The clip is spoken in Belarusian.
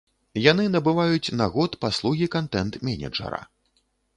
Яны набываюць на год паслугі кантэнт-менеджара.